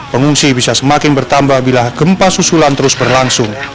pengungsi bisa semakin bertambah bila gempa susulan terus berlangsung